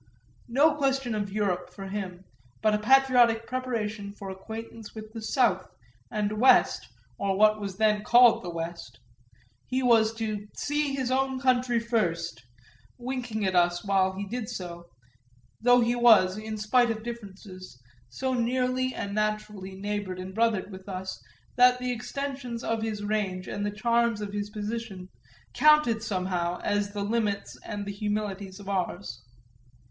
No question of "Europe," for him, but a patriotic preparation for acquaintance with the South and West, or what was then called the West he was to "see his own country first," winking at us while he did so; though he was, in spite of differences, so nearly and naturally neighbour'd and brother'd with us that the extensions of his range and the charms of his position counted somehow as the limits and the humilities of ours.